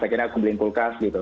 akhirnya aku beliin kulkas gitu